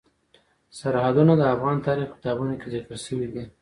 سرحدونه د افغان تاریخ په کتابونو کې ذکر شوی دي.